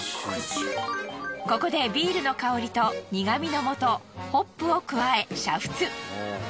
ここでビールの香りと苦みのもとホップを加え煮沸。